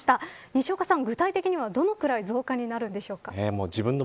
西岡さん、具体的にはどのくらい増加になるんでしょうか。